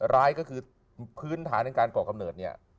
ร้ายก็คือพื้นฐานในการก่อกำเนิดเนี่ย